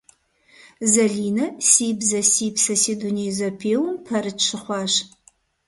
Залинэ «Си бзэ - си псэ, си дуней» зэпеуэм пэрыт щыхъуащ.